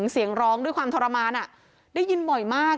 เสียงร้องด้วยความทรมานได้ยินบ่อยมาก